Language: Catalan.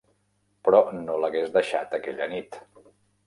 Però no l'hagués deixat aquella nit.